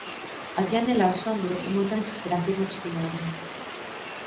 había nela asombro e moita desesperación obstinada.